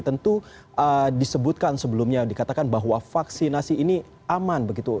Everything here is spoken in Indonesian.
tentu disebutkan sebelumnya dikatakan bahwa vaksinasi ini aman begitu